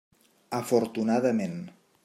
Afortunadament.